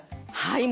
はい！